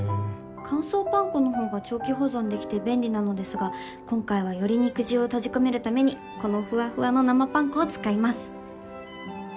乾燥パン粉の方が長期保存できて便利なのですが今回はより肉汁を閉じ込めるためにこのふわふわの生パン粉を使います。